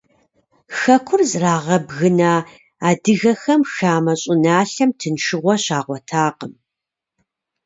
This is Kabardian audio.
Хэкур зрагъэбгына адыгэхэм хамэ щӀыналъэм тыншыгъуэ щагъуэтакъым.